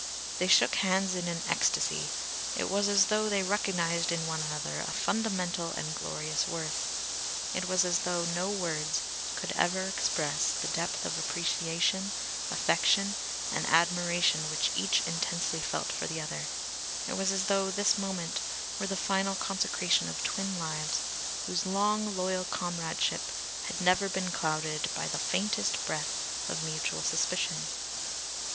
They shook hands in an ecstasy. It was as though they recognised in one another a fundamental and glorious worth; it was as though no words could ever express the depth of appreciation, affection and admiration which each intensely felt for the other; it was as though this moment were the final consecration of twin lives whose long, loyal comradeship had never been clouded by the faintest breath of mutual suspicion.